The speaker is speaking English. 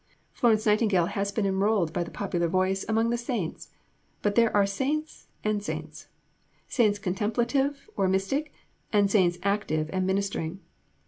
Florence Nightingale has been enrolled by the popular voice among the saints; but there are saints and saints saints contemplative or mystic, and saints active and ministering.